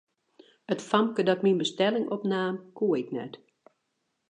It famke dat myn bestelling opnaam, koe ik net.